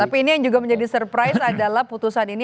tapi ini yang juga menjadi surprise adalah putusan ini